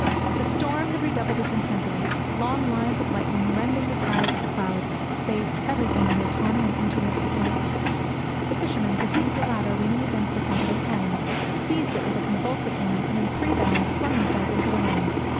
The storm had redoubled its intensity; long lines of lightning, rending the sides of the clouds, bathed everything in their tawny and intermittent light. The fisherman perceived a ladder leaning against the front of his home, seized it with a convulsive hand, and in three bounds flung himself into the room.